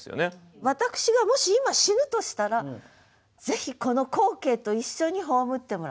私がもし今死ぬとしたらぜひこの光景と一緒に葬ってもらいたい。